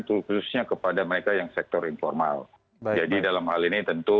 khususnya kepada mereka yang sektor informal jadi dalam hal ini tentu